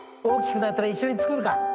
大きくなったら一緒に作るか。